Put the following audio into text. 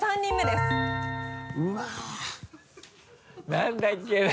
何だっけな？